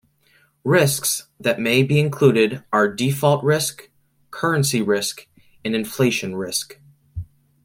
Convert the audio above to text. Risks that may be included are default risk, currency risk, and inflation risk.